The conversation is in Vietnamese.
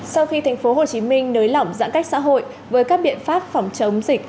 sau khi thành phố hồ chí minh nới lỏng giãn cách xã hội với các biện pháp phòng chống dịch